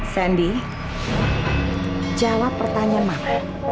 sandy jawab pertanyaan mama